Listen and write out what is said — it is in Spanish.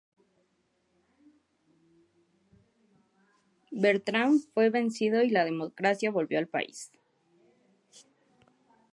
Bertrand fue vencido y la democracia volvió al país.